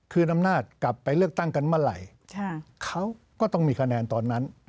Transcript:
คือนำนาจกลับไปเลือกตั้งกันเมื่อไหร่เขาก็ต้องมีคะแนนตอนนั้น